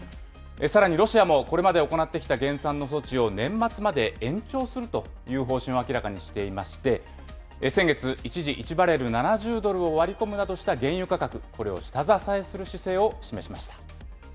さらにロシアも、これまで行ってきた減産の措置を年末まで延長するという方針を明らかにしていまして、先月、一時１バレル７０ドルを割り込むなどした原油価格、これを下支えする姿勢を示しました。